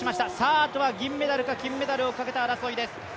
あとは銀メダルか金メダルをかけた争いです。